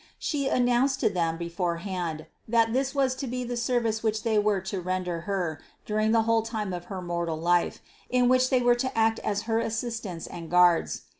She announced to them beforehand that this was to be the service which they were to render Her during the whole time of her mortal life, in which they were to act as her assistants and guards.